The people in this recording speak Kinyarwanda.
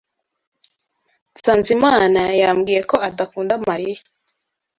Sanzimana yambwiye ko adakunda Mariya.